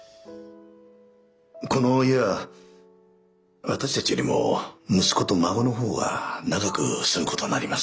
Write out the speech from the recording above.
この家は私たちよりも息子と孫の方が長く住むことになります。